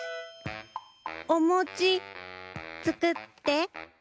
おもちつくって。